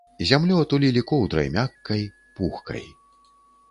Зямлю атулілі коўдрай мяккай, пухкай.